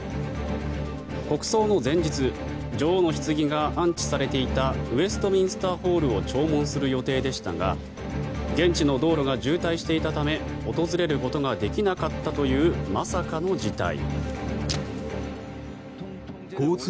国葬の前日女王のひつぎが安置されていたウェストミンスターホールを弔問する予定でしたが現地の道路が渋滞していたため訪れることができなかったというまさかの事態。